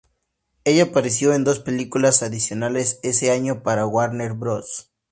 Ella apareció en dos películas adicionales ese año para Warner Bros.